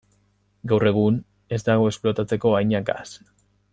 Gaur egun ez dago esplotatzeko haina gas.